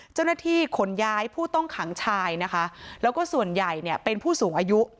เจ้าหน้าที่ขนย้ายผู้ต้องขังชายนะคะแล้วก็ส่วนใหญ่เนี่ยเป็นผู้สูงอายุ